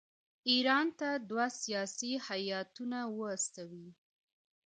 ایران ته دوه سیاسي هیاتونه واستوي.